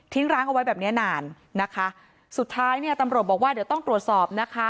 ร้างเอาไว้แบบเนี้ยนานนะคะสุดท้ายเนี่ยตำรวจบอกว่าเดี๋ยวต้องตรวจสอบนะคะ